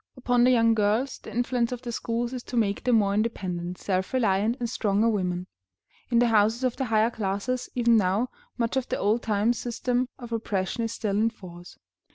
Upon the young girls, the influence of the schools is to make them more independent, self reliant, and stronger women. In the houses of the higher classes, even now, much of the old time system of repression is still in force.